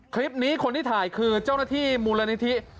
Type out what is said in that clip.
คลิปนี้คนที่ถ่ายคือเจ้าหน้าที่มูลนิธิ